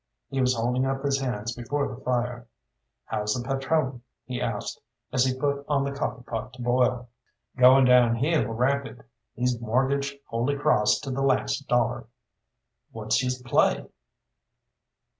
He was holding up his hands before the fire. "How's the patrone?" he asked, as he put on the coffee pot to boil. "Going downhill rapid. He's mortgaged Holy Cross to the last dollar." "What's his play?"